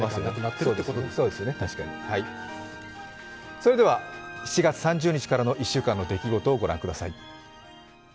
それでは７月３０日からの１週間の出来事をご覧ください。